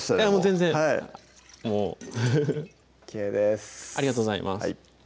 全然もうＯＫですありがとうございます